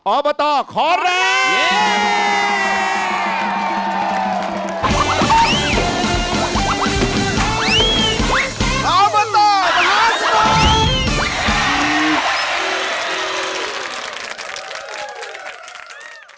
ออกประตอขอบคุณนะครับ